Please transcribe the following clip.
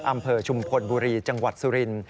อำเภอชุมพลบุรีจังหวัดสุรินทร์